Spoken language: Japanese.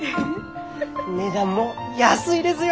値段も安いですよ！